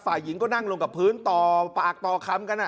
ฝ่ายหญิงก็นั่งลงกับพื้นต่อปากต่อคำกัน